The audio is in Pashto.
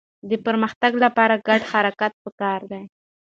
د پرمختګ لپاره ګډ حرکت پکار دی.